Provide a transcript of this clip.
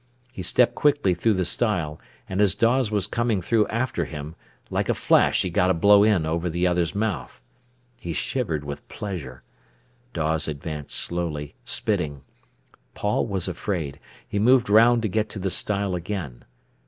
He stepped quickly through the stile, and as Dawes was coming through after him, like a flash he got a blow in over the other's mouth. He shivered with pleasure. Dawes advanced slowly, spitting. Paul was afraid; he moved round to get to the stile again.